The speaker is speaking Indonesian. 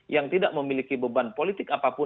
yang tidak memiliki beban politik apapun